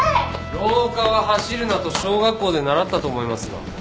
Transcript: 廊下は走るなと小学校で習ったと思いますが。